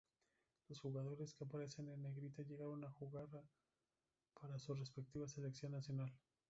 Los jugadores que aparecen en Negrita llegaron a jugara para su respectiva selección nacional.